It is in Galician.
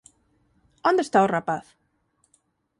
Onde está o rapaz?